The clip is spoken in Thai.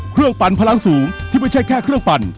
ปั่นพลังสูงที่ไม่ใช่แค่เครื่องปั่น